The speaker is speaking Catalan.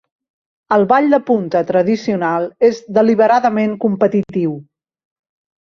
El ball de punta tradicional és deliberadament competitiu.